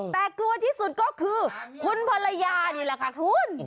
แต่กลัวที่สุดก็คือคุณภรรยานี่แหละค่ะคุณ